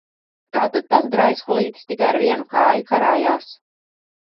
Kā tad tas draiskulītis tikai ar vienu kāju karājās?